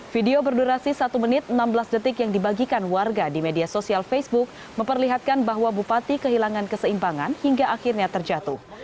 video berdurasi satu menit enam belas detik yang dibagikan warga di media sosial facebook memperlihatkan bahwa bupati kehilangan keseimbangan hingga akhirnya terjatuh